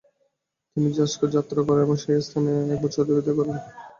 তিনি জাংস্কার যাত্রা করেন এবং সেই স্থানে এক বছর অতিবাহিত করেন।